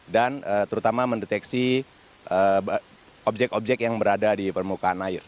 dan terutama mendeteksi objek objek yang berada di permukaan air